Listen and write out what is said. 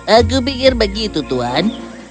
aku pikir begitu tuan